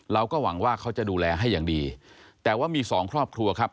เราก็หวังว่าเขาจะดูแลให้อย่างดีแต่ว่ามีสองครอบครัวครับ